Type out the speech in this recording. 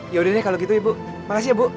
ya udah deh kalau gitu ibu makasih ya ibu